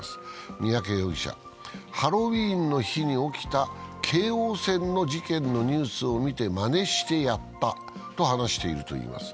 三宅容疑者、ハロウィーンの日に起きた京王線の事件のニュースを見て、まねしてやったと話しています。